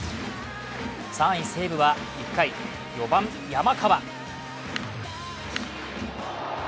３位・西武は１回、４番・山川。